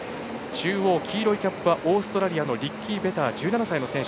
中央はオーストラリアのリッキー・ベター、１７歳の選手。